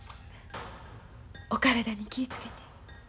お体に気ぃ付けて。